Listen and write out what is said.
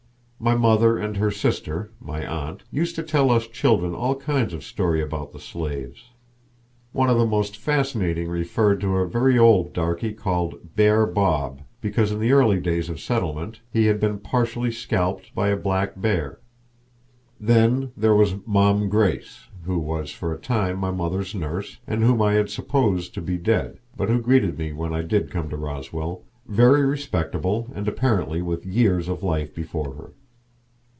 My mother and her sister, my aunt, used to tell us children all kinds of stories about the slaves. One of the most fascinating referred to a very old darky called Bear Bob, because in the early days of settlement he had been partially scalped by a black bear. Then there was Mom' Grace, who was for a time my mother's nurse, and whom I had supposed to be dead, but who greeted me when I did come to Roswell, very respectable, and apparently with years of life before her.